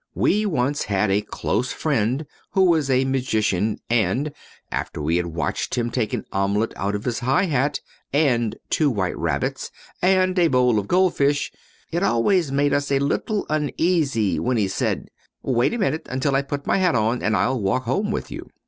We once had a close friend who was a magician and after we had watched him take an omelet out of his high hat, and two white rabbits, and a bowl of goldfish, it always made us a little uneasy when he said, "Wait a minute until I put on my hat and I'll walk home with you."